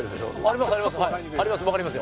あります